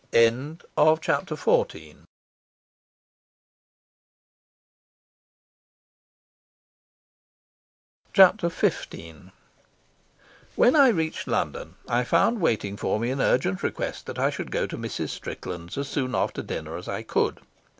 Chapter XV When I reached London I found waiting for me an urgent request that I should go to Mrs. Strickland's as soon after dinner as I could.